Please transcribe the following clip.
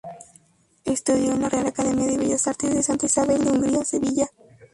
Estudió en la Real Academia de Bellas Artes de Santa Isabel de Hungría, Sevilla.